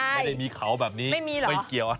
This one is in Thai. ไม่ได้มีเขาแบบนี้